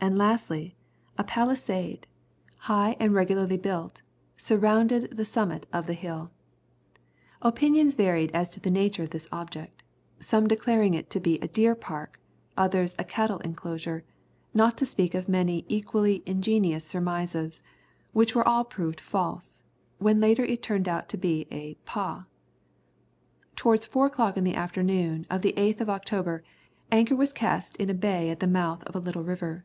And lastly, a pallisade, high and regularly built, surrounded the summit of the hill. Opinions varied as to the nature of this object; some declaring it to be a deer park, others a cattle enclosure, not to speak of many equally ingenious surmises, which were all proved false, when later it turned out to be a "pah." Towards four o'clock on the afternoon of the 8th of October, anchor was cast in a bay at the mouth of a little river.